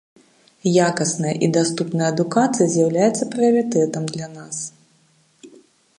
Якасная і даступная адукацыя з'яўляецца прыярытэтам для нас.